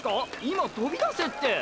今とびだせって！！